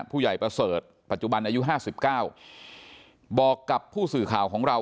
ประเสริฐปัจจุบันอายุห้าสิบเก้าบอกกับผู้สื่อข่าวของเรา